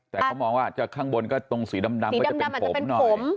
แต่เขามองว่าข้างบนก็ตรงสีดำก็จะเป็นผมหน่อย